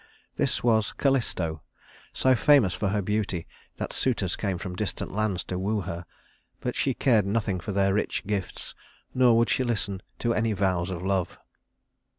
This was Callisto, so famous for her beauty that suitors came from distant lands to woo her; but she cared nothing for their rich gifts, nor would she listen to any vows of love.